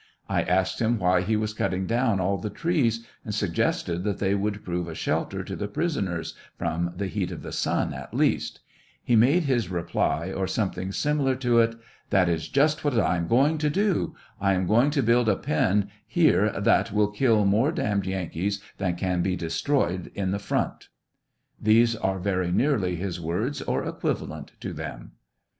I asked him why he was cutting down all the trees, and suggested that they would prove a shelter to the prisoners, from the heat of the sun at least ; he made this reply, or something similar to it : That is just V)hat I am going to do; 1 am going to build a pen here that will kill more damned Yankees than can he destroyed in the front. These are very nearly his words, or equivalent to them.